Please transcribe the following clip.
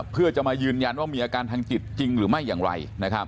เพื่อจะมายืนยันว่ามีอาการทางจิตจริงหรือไม่อย่างไร